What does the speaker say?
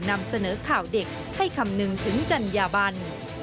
นำเสนอข่าวเด็กให้คำนึงถึงจัญญาบัน